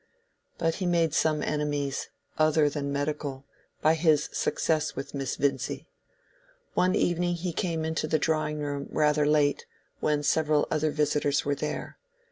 But he made some enemies, other than medical, by his success with Miss Vincy. One evening he came into the drawing room rather late, when several other visitors were there.